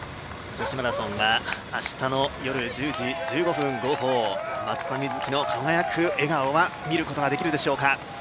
女子マラソンは明日の夜１０時１５分号砲松田瑞生の輝く笑顔を見ることはできるでしょうか。